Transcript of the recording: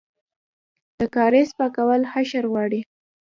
د کاریز پاکول حشر غواړي؟